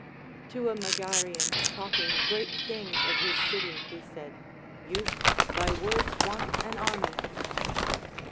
To a Megarian talking great things of his city he said, Youth, thy Avords want an army.